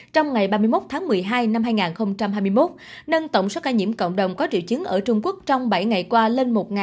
trong ngày ba mươi một một mươi hai hai nghìn hai mươi một nâng tổng số ca nhiễm cộng đồng có triệu chứng ở trung quốc trong bảy ngày qua lên một một trăm năm mươi một trường hợp